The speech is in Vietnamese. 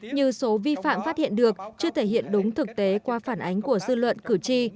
như số vi phạm phát hiện được chưa thể hiện đúng thực tế qua phản ánh của dư luận cử tri